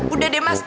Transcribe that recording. udah deh mas